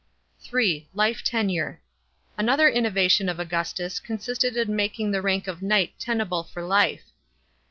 (3) Life tenure. Another innovation of Augustus consisted in making the rank of knight tenable for life.